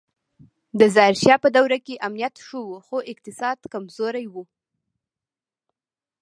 د ظاهر شاه په دوره کې امنیت ښه و خو اقتصاد کمزوری و